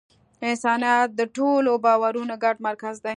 انسانیت د ټولو باورونو ګډ مرکز دی.